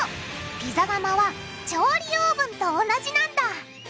ピザ窯は調理オーブンと同じなんだ。